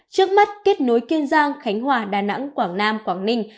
trước mắt kết nối kiên giang khánh hòa đà nẵng quảng nam quảng ninh